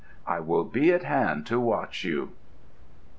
I will be at hand to watch you."